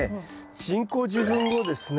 人工授粉後ですね